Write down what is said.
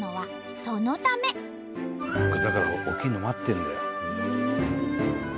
だから起きるの待ってんだよ。